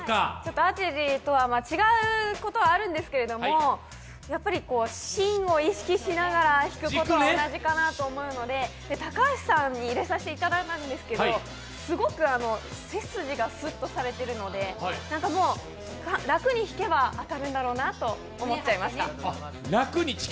アーチェリーとは違うところはあるんですけれども、やっぱり芯を意識しながら、引くことは同じだと思うので高橋さんに入れさせていただくんですけれども、すごく背筋がスッとされてるので楽に引けば当たるんだろうなと思っちゃいました。